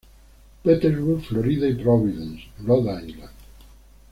Petersburg, Florida, y Providence, Rhode Island.